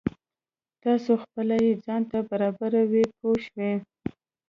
تاسو خپله یې ځان ته برابروئ پوه شوې!.